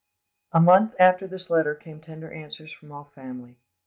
A month after this letter came tender answers from all the family.